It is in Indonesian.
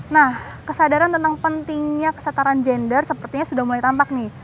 nah kesadaran tentang pentingnya kesetaraan gender sepertinya sudah mulai tampak nih